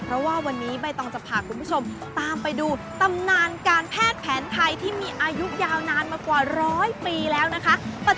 เพราะว่าวันนี้ใบตองจะพาคุณผู้ชมตามไปดูตำนานการแพทย์แผนไทยที่มีอายุยาวนานมากว่าร้อยปีแล้วนะคะ